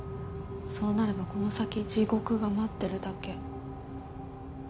そうなればこの先地獄が待ってるだけ。